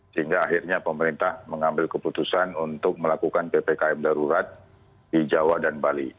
sehingga akhirnya pemerintah mengambil keputusan untuk melakukan ppkm darurat di jawa dan bali